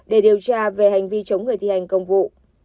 để điều tra về hành vi chống người thi hành công vụ